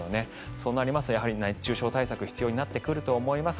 そうなりますとやはり熱中症対策が必要になってくると思います。